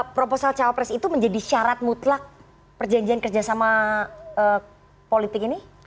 proposal cawapres itu menjadi syarat mutlak perjanjian kerjasama politik ini